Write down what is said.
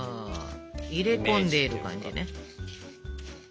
入れ込んでいる感じね。